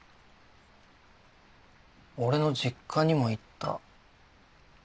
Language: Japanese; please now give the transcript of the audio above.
俺の実家にも行った。